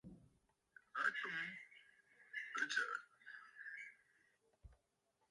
A tum ɨtsə̀ʼə̀.